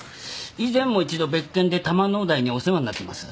以前も一度別件で多摩農大にお世話になってます。